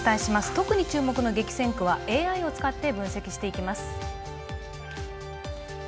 特に注目の激戦区はＡＩを使って分析していきます。